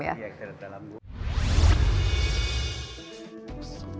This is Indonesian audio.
iya kita lihat ke dalam